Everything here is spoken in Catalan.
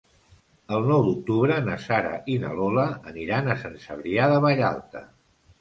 El nou d'octubre na Sara i na Lola aniran a Sant Cebrià de Vallalta.